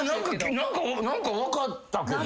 何か分かったけど。